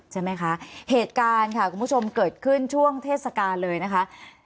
ใช่ไหมคะเหตุการณ์ค่ะคุณผู้ชมเกิดขึ้นช่วงเทศกาลเลยนะคะ